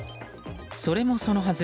それもそのはず